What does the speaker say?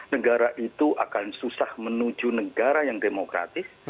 negara itu akan susah menuju negara yang demokratis